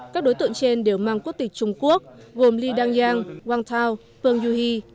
các đối tượng trên đều mang quốc tịch trung quốc gồm li đăng giang wang tao phương du huy